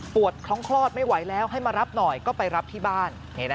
คล้องคลอดไม่ไหวแล้วให้มารับหน่อยก็ไปรับที่บ้าน